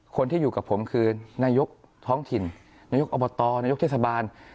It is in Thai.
คนที่อยู่กับผมคือนายกท้องถิ่นนายกอบตนายกเทศบาล